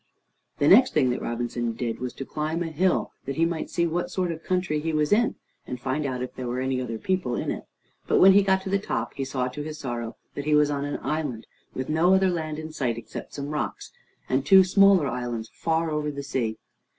The next thing that Robinson did was to climb a hill, that he might see what sort of country he was in, and find out if there were any other people in it. But when he got to the top, he saw to his sorrow that he was on an island, with no other land in sight except some rocks, and two smaller islands far over the sea.